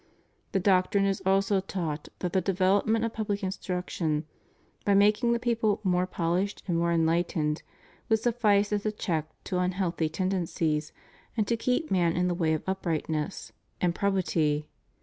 The doctrine is also taught that the development of public instruction, by making the people more polished and more enlightened, would suffice as a check to unhealthy tendencies and to keep man in the ways of uprightness REVIEW OF HIS PONTIFICATE. 565 and probity.